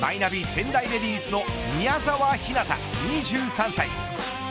仙台レディースの宮澤ひなた２３歳。